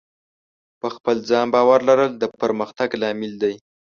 په خپل ځان باور لرل د پرمختګ لامل دی.